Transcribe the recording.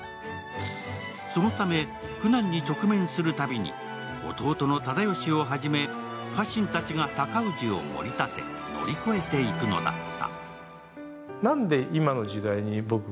そのため、苦難に直面するたびに弟の直義をはじめ、家臣たちが尊氏をもり立て乗り越えていくのだった。